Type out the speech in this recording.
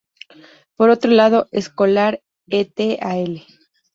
Por otro lado, Escolar et al.